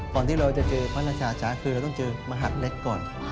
ที่เราจะเจอพระราชาช้าคือเราต้องเจอมหัดเล็กก่อน